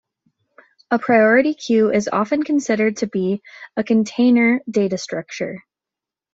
A priority queue is often considered to be a "container data structure".